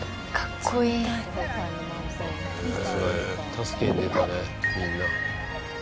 助けに出たねみんな。